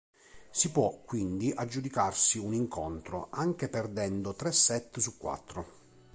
Si può, quindi, aggiudicarsi un incontro anche perdendo tre set su quattro.